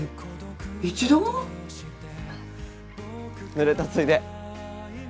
ぬれたついで。